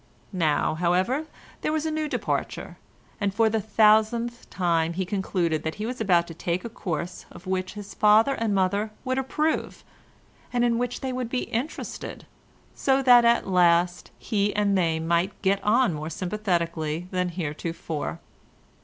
Now, however, there was a new departure, and for the thousandth time he concluded that he was about to take a course of which his father and mother would approve, and in which they would be interested, so that at last he and they might get on more sympathetically than heretofore.